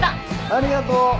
ありがとう。